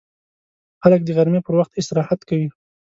خلک د غرمې پر وخت استراحت کوي